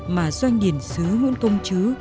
mà doanh điển sứ nguyễn công chứ